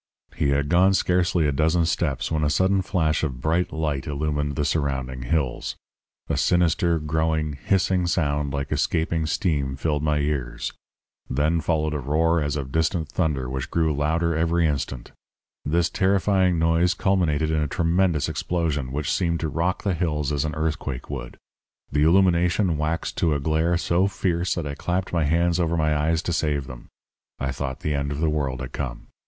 "He had gone scarcely a dozen steps when a sudden flash of bright light illumined the surrounding hills; a sinister, growing, hissing sound like escaping steam filled my ears. Then followed a roar as of distant thunder, which grew louder every instant. This terrifying noise culminated in a tremendous explosion, which seemed to rock the hills as an earthquake would; the illumination waxed to a glare so fierce that I clapped my hands over my eyes to save them. I thought the end of the world had come.